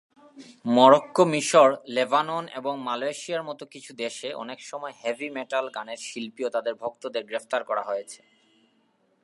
Morocco, মিশর, Lebanon এবং মালয়েশিয়া-র মতো কিছু দেশে অনেকসময় হেভি মেটাল গানের শিল্পী ও তাদের ভক্তদের গ্রেফতার করা হয়েছে।